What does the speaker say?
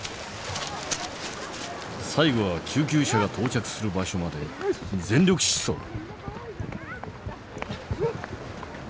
最後は救急車が到着する場所まで全力疾走！